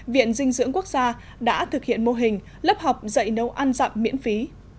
viện dinh dưỡng quốc gia đã thực hiện mô hình lớp học dạy nấu ăn dặm miễn phí